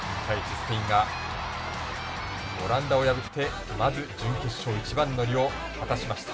スペインがオランダを破ってまず準決勝一番乗りを果たしました。